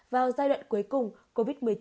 vào giai đoạn cuối cùng covid một mươi chín